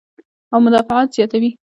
او مدافعت زياتوي -